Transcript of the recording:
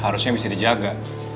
harusnya bisa dijaga